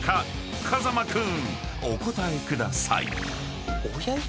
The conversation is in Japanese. ［風間君お答えください］